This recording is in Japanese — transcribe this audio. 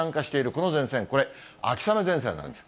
この前線、これ、秋雨前線なんです。